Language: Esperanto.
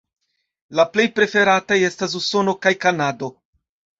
La plej preferataj estas Usono kaj Kanado.